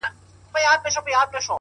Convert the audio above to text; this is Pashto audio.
غجيبه نه ده گراني دا خبره”